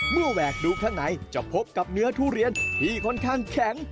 แหวกดูข้างในจะพบกับเนื้อทุเรียนที่ค่อนข้างแข็ง